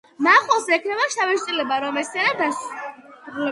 მნახველს ექმნება შთაბეჭდილება, რომ ეს სცენა დაუსრულებელია.